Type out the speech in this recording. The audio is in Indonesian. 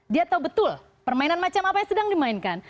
dia tahu betul permainan macam apa yang sedang dimainkan